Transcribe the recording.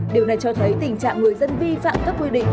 điều này cho thấy tình trạng người dân vi phạm các quy định